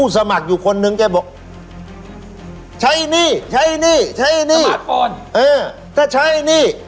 แต่ใช้นี่